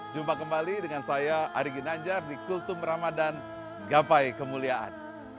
jumpa kembali dengan saya ari ginanjar di kultum ramadhan gapai kemuliaan